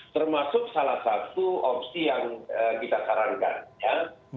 termasuk salah satu opsi yang kita sarankan ya